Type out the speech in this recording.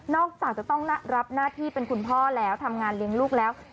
จากจะต้องรับหน้าที่เป็นคุณพ่อแล้วทำงานเลี้ยงลูกแล้ว